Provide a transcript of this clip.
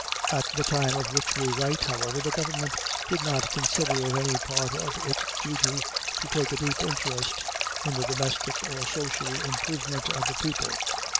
At the time of which we write, however, the government did not consider it any part of its duty to take a deep interest in the domestic or social improvement of the people.